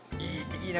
いいね。